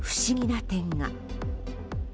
更に不思議な点が。